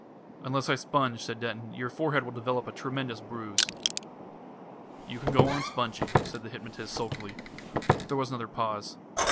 "Unless I sponge," said Denton, "your forehead will develop a tremendous bruise." "You can go on sponging," said the hypnotist sulkily. There was another pause.